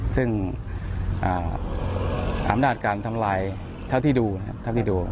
ซึ่งอำนาจการทำลายเท่าที่ดู